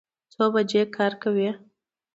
څو بجې کار کوئ؟